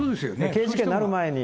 刑事事件になる前に。